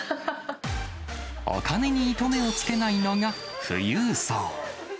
お金に糸目をつけないのが富裕層。